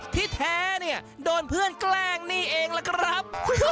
ที่แท้เนี่ยโดนเพื่อนแกล้งนี่เองล่ะครับ